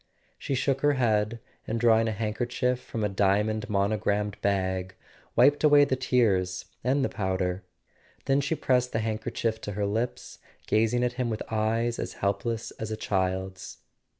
She shook her head and, drawing a handkerchief from a diamond monogrammed bag, wiped away the tears and the powder. Then she pressed the handker¬ chief to her lips, gazing at him with eyes as helpless as a child's.